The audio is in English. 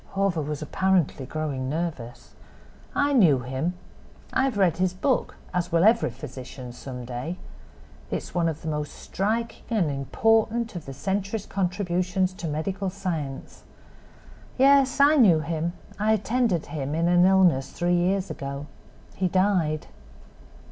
Hawver was apparently growing nervous. "I knew him. I have read his book, as will every physician some day. It is one of the most striking and important of the century's contributions to medical science. Yes, I knew him; I attended him in an illness three years ago. He died."